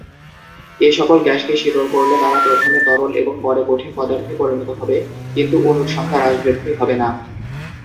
এ সকল গ্যাসকে শীতল করলে তারা প্রথমে তরল এবং পরে কঠিন পদার্থে পরিণত হবে; কিন্তু অণুর সংখ্যার হ্রাস-বৃদ্ধি হবে না।